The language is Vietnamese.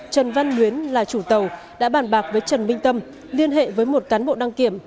trần văn luyến là chủ tàu đã bàn bạc với trần minh tâm liên hệ với một cán bộ đăng kiểm